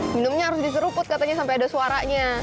minumnya harus diseruput katanya sampai ada suaranya